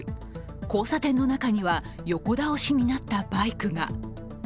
交差点の中には横倒しになったバイクが。